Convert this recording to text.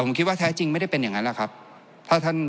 ผมคิดว่าแท้จริงไม่ได้เป็นอย่างนั้นแหละครับ